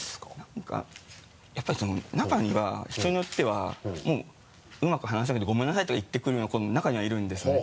何かやっぱりその中には人によってはうまく話せなくてごめんなさいとか言ってくれる子も中にはいるんですね。